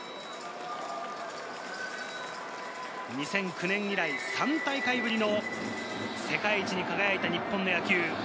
２００９年以来、３大会ぶりの世界一に輝いた日本の野球。